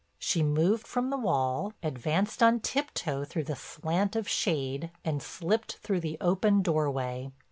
She moved from the wall, advanced on tip toe through the slant of shade, and slipped through the open doorway.